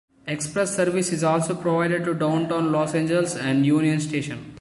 Express service is also provided to Downtown Los Angeles and Union Station.